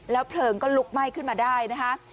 เพลิงก็ลุกไหม้ขึ้นมาได้นะคะ